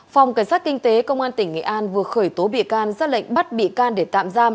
phòng cảnh sát kinh tế công an tỉnh nghệ an vừa khởi tố bị can ra lệnh bắt bị can để tạm giam